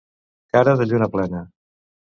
Cara de lluna plena.